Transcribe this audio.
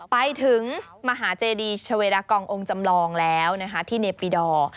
ไปถึงมหาเจดีชาเวดากององค์จำลองแล้วนะคะที่เนปิดอร์